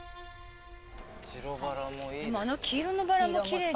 でもあの黄色のバラも奇麗ね。